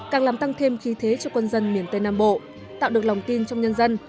càng làm tăng thêm khí thế cho quân dân miền tây nam bộ tạo được lòng tin trong nhân dân